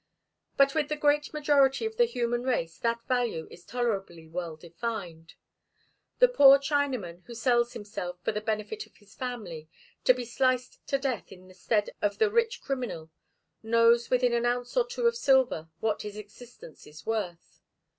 But with the great majority of the human race that value is tolerably well defined. The poor Chinaman who sells himself, for the benefit of his family, to be sliced to death in the stead of the rich criminal, knows within an ounce or two of silver what his existence is worth.